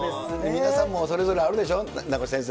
皆さんもそれぞれあるでしょう？